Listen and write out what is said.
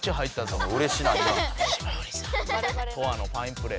トアのファインプレー。